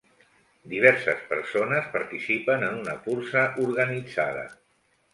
Diverses persones participen en una cursa organitzada.